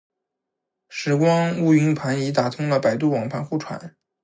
拾光坞云盘已经打通了百度网盘互传